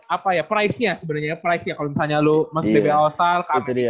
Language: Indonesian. apa ya price nya sebenernya price nya kalau misalnya lo masuk dbl hostel ke amerika